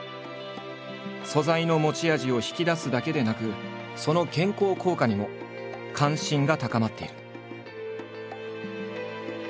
素材の持ち味を引き出すだけでなくその健康効果にも関心が高まっている。